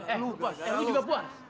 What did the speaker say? eh lu juga puas